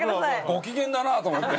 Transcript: ご機嫌だなあと思って。